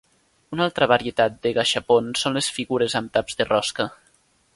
Una altra varietat de gashapon són les figures amb taps de rosca.